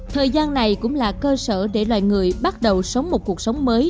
thời gian này cũng là cơ sở để loài người bắt đầu sống một cuộc sống mới